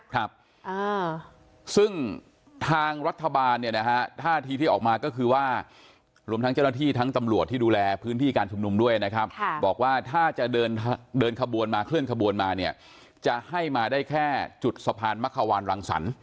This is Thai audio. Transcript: ครับซึ่งทางรัฐบาลเนี่ยนะฮะท่าทีที่ออกมาก็คือว่ารวมทั้งเจ้าหน้าที่ทั้งตำรวจที่ดูแลพื้นที่การชุมนุมด้วยนะครับบอกว่าถ้าจะเดินขบวนมาเคลื่อนขบวนมาเนี่ยจะให้มาได้แค่จุดสะพานมะขวานรังสรรค